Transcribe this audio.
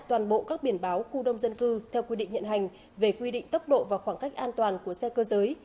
công văn cũng yêu cầu đối với biển báo khu đông dân cư theo quy định nhận hành về quy định tốc độ và khoảng cách an toàn của xe cơ giới